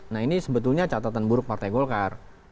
nah ini sebetulnya catatan buruk partai golkar